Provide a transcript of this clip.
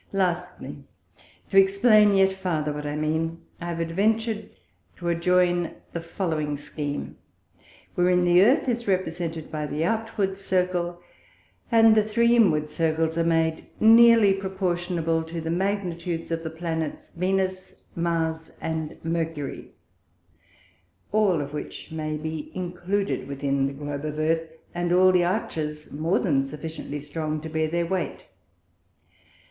Lastly, To explain yet farther what I mean, I have adventur'd to adjoin the following Scheme, (Tab. 1. Fig. 3) wherein the Earth is represented by the outward Circle, and the three inward Circles are made nearly proportionable to the Magnitudes of the Planets Venus, Mars and Mercury, all which may be included within the Globe of Earth, and all the Arches more than sufficiently strong to bear their weight.